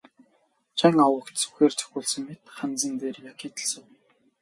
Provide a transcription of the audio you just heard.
Жан овогт сүхээр цохиулсан мэт ханзан дээр яг хийтэл суув.